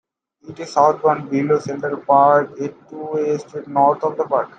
It is southbound below Central Park and a two-way street north of the park.